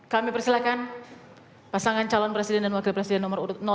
kami persilahkan pasangan calon presiden dan wakil presiden nomor urut